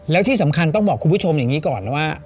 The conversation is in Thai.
แล้วที่สำคัญต้องบอกคุณผู้ชมอย่างนี้ก่อนนะว่า